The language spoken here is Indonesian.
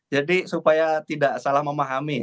jadi supaya tidak salah memahami